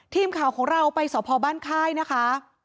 ทีมข่าวของเราไปสพบ้านค่ายนะคะ